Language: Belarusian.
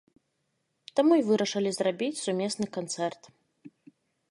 Таму і вырашылі зрабіць сумесны канцэрт.